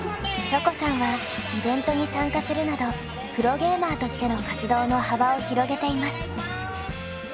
チョコさんはイベントに参加するなどプロゲーマーとしての活動の幅を広げています。